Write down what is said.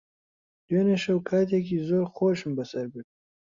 دوێنێ شەو کاتێکی زۆر خۆشم بەسەر برد.